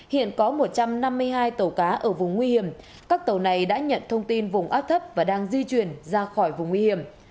hiện có một trăm năm mươi hai tàu cá ở vùng nguy hiểm các tàu này đã nhận thông tin vùng áp thấp và đang di chuyển ra khỏi vùng nguy hiểm